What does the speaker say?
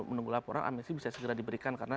menunggu laporan amnesti bisa segera diberikan karena